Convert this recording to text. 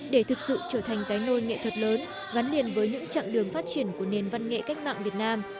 để thực sự trở thành cái nôi nghệ thuật lớn gắn liền với những chặng đường phát triển của nền văn nghệ cách mạng việt nam